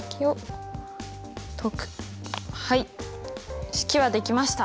はい式はできました！